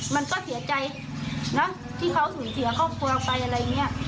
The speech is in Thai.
มันก็เสียใจนะที่เขาสูญเสียครอบครัวเราไปอะไรอย่างนี้